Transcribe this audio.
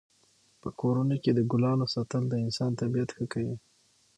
په کورونو کې د ګلانو ساتل د انسان طبعیت ښه کوي.